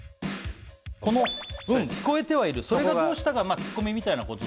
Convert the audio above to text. この「うん聞こえてはいるそれがどうした」がツッコミみたいな？